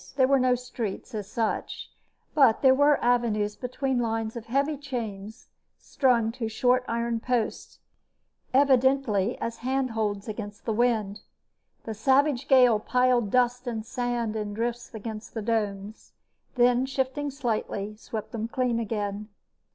There were no streets, as such, but there were avenues between lines of heavy chains strung to short iron posts, evidently as handholds against the wind. The savage gale piled dust and sand in drifts against the domes, then, shifting slightly, swept them clean again.